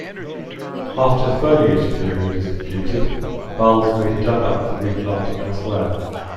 After the foliage period is completed, bulbs may be dug up for replanting elsewhere.